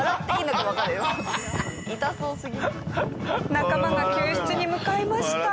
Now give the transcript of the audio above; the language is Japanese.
仲間が救出に向かいました。